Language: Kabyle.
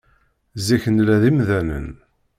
Zik, nella d imdanen.